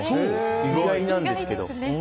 意外なんですけど。